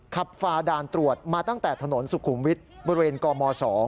ฝ่าด่านตรวจมาตั้งแต่ถนนสุขุมวิทย์บริเวณกม๒